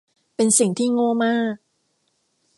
เป็นสิ่งที่โง่มาก